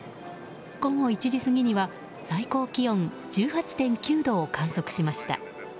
午後１時過ぎには最高気温１８．９度を観測しました。